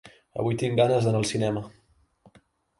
Avui tinc ganes d'anar al cinema.